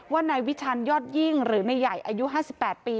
ว่านายวิชาญยอดยิ่งหรือในใหญ่อายุห้าสิบแปดปี